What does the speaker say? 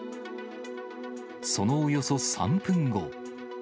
そのおよそ３分後。